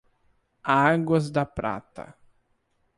Águas da Prata